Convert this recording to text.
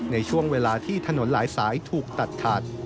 ในช่วงเวลาที่ถนนหลายสายถูกตัดขาด